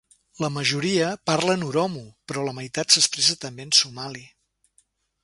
La majoria parlen oromo però la meitat s'expressa també en somali.